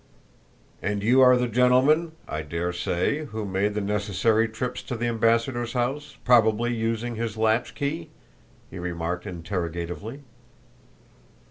"And you are the gentleman, I dare say, who made the necessary trips to the ambassador's house, probably using his latch key?" he remarked interrogatively.